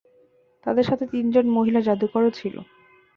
তাদের সাথে তিনজন মহিলা যাদুকরও ছিল।